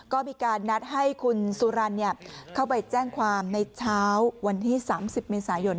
ก็มีการนัดให้คุณสุรรณเข้าไปแจ้งความในเช้าวันที่๓๐เมษายน